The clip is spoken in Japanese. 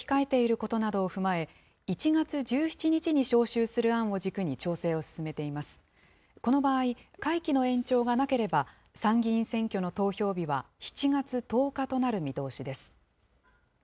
この場合、会期の延長がなければ、参議院選挙の投票日は７月１０日となる見通しです。